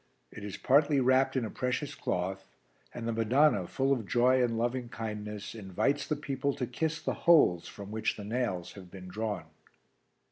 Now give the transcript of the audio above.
It is partly wrapped in a precious cloth and the Madonna, full of joy and lovingkindness, invites the people to kiss the holes from which the nails have been drawn.